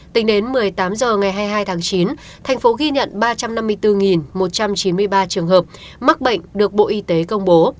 tính đến một mươi tám h ngày hai mươi hai tháng chín thành phố ghi nhận ba trăm năm mươi bốn một trăm chín mươi ba trường hợp mắc bệnh được bộ y tế công bố